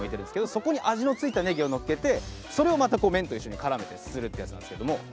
そこに味の付いたネギをのっけてそれをまた麺と一緒に絡めてすするってやつなんですけども。